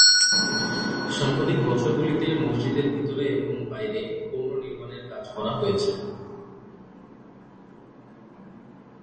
সাম্প্রতিক বছরগুলিতে মসজিদের ভিতরে এবং বাইরে পুনর্নির্মাণের কাজ করা হয়েছে।